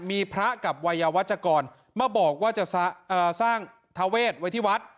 มีพระกับวัยวัชกรมาบอกว่าจะสร้างทาเวทไว้ที่วัด